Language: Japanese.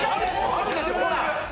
あるでしょほら！